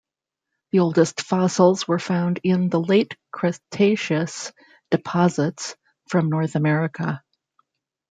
The oldest fossils were found in Late Cretaceous deposits from North America.